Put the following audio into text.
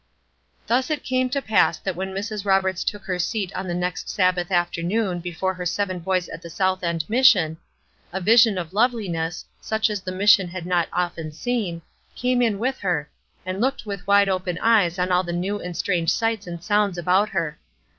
Thus it came to pass that when Mrs. Roberts took her seat on the next Sabbath afternoon before her seven boys at the South End Mission, a vision of loveliness, such as the mission had not often seen, came in with her, and looked with wide open eyes on all the new and strange sights and sounds about her.